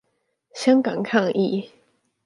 香港抗議